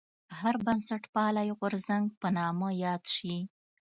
هر بنسټپالی غورځنګ په نامه یاد شي.